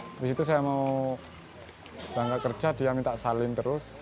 habis itu saya mau berangkat kerja dia minta salin terus